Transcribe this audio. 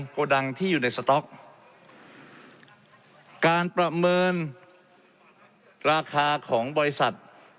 โกดังที่อยู่ในสต๊อกการประเมินราคาของบริษัท